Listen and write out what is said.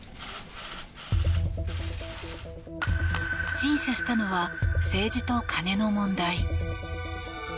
陳謝したのは政治とカネの問題。